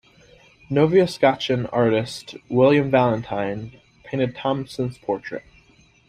Nova Scotian artist William Valentine painted Thompson's portrait.